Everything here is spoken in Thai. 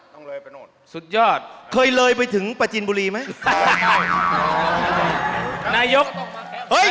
ต้องเลยไปหมดสุดยอดเคยเลยไปถึงประจินบุรีไหมนายก